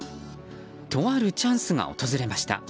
とあるチャンスが訪れました。